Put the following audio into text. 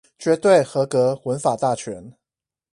絕對合格文法大全